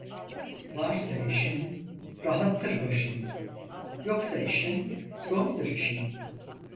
Varsa eşin rahattır başın, yoksa eşin zordur işin.